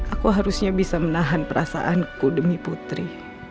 aku harusnya bisa menahan perasaanku demi putri